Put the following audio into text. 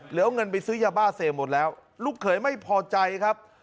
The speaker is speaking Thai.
แล้วเอาเงินไปซื้อยาบ้าเสพหมดแล้วลูกเขยไม่พอใจครับ